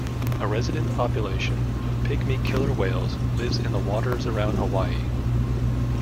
A resident population of pygmy killer whales lives in the waters around Hawaii.